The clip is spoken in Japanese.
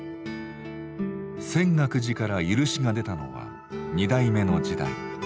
泉岳寺から許しが出たのは２代目の時代。